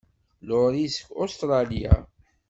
Laurie seg Ustṛalya.